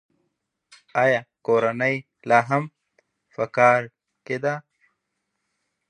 آیا کورنۍ یې لا هم په کارېز کې ده؟